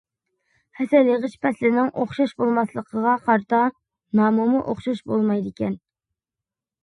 ھەسەل يىغىش پەسلىنىڭ ئوخشاش بولماسلىقىغا قارىتا نامىمۇ ئوخشاش بولمايدىكەن.